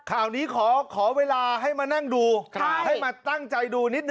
ข่าวนี้ขอเวลาให้มานั่งดู